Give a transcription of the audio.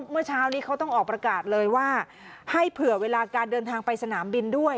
เมื่อเช้านี้เขาต้องออกประกาศเลยว่าให้เผื่อเวลาการเดินทางไปสนามบินด้วย